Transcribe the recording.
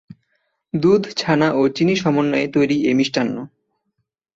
দুধ, ছানা ও চিনি সমন্বয়ে তৈরি এ মিষ্টান্ন।